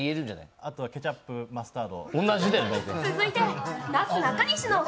あと、ケチャップとマスタード。